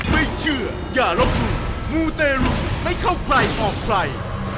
ไม่เชื่ออย่าลบหลู่มูเตรุไม่เข้าใครออกใคร